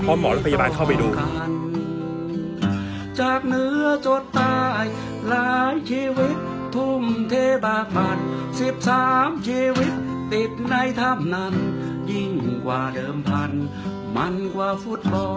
พร้อมหมอรับพยาบาลเข้าไปดู